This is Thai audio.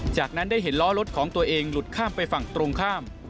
จากนั้นได้เห็นล้อรถของตัวเองหลุดข้ามไปฝั่งตรงข้าม